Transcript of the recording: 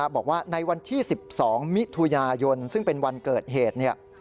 บอกว่าในวันที่๑๒มิถุนายนซึ่งเป็นวันเกิดเหตุ